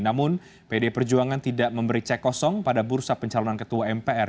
namun pdi perjuangan tidak memberi cek kosong pada bursa pencalonan ketua mpr